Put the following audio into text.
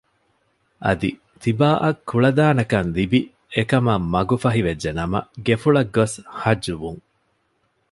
އަދި ތިބާއަށް ކުޅަދާނަކަން ލިބި އެ ކަމަށް މަގު ފަހި ވެއްޖެ ނަމަ ގެފުޅަށް ގޮސް ޙައްޖުވުން